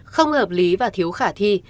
không hợp lý và thiếu khả thi